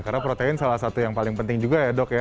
karena protein salah satu yang paling penting juga ya dok